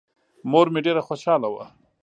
مور مې ډېره خوشاله وه.